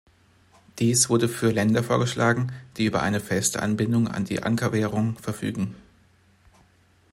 Dies wurde für Länder vorgeschlagen, die über eine feste Anbindung an eine Ankerwährung verfügen.